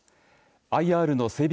ＩＲの整備